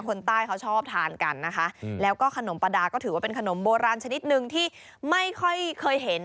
คนใต้เขาชอบทานกันนะคะแล้วก็ขนมปลาดาก็ถือว่าเป็นขนมโบราณชนิดนึงที่ไม่ค่อยเคยเห็น